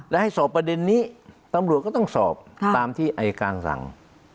และให้สอบประเด็นนี้ตำรวจก็ต้องสอบตามที่อายการสั่ง